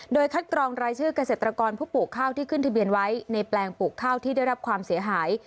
โดยคัดกรองรายชื่อเกษตรกรผู้ปลูกข้าวที่ขึ้นทะเบียนไว้ในแปลงปลูกข้าวที่ได้รับความเสียหาย